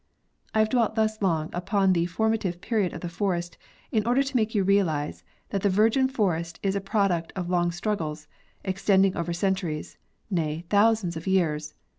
I have dwelt thus long upon the formative period of the forest in order to make you realize that the virgin forest is a product of long struggles, extending over centuries, nay, thousands of years.